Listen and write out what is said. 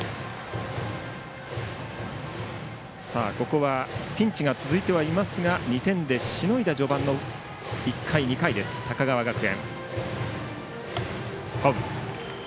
ここはピンチが続いていますが２点でしのいだ序盤の１回、２回高川学園。